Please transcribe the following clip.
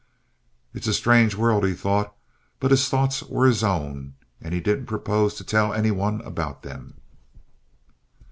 "It's a strange world," he thought; but his thoughts were his own, and he didn't propose to tell any one about them.